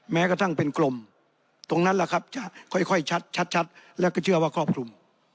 แม้กระทั่งเป็นกลมตรงนั้นแหละครับจะค่อยชัดแล้วก็เชื่อว่าครอบคลุม